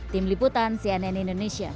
tim liputan cnn indonesia